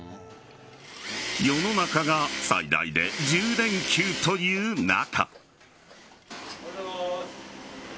世の中が最大で１０連休という中。